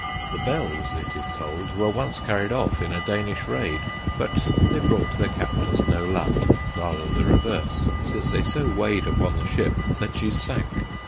The bells (it is told) were once carried off in a Danish raid; but they brought their captors no luck rather the reverse, since they so weighed upon the ship that she sank.